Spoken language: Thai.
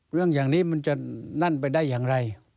เรื่องอย่างนี้มันจะนั่นไปได้อย่างไร